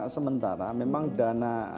sementara memang dana